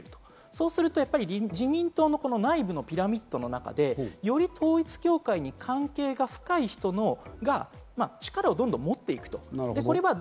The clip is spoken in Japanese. そうすると自民党の内部のピラミッドの中で、より統一教会に関係が深い人が力をどんどん持っていくと。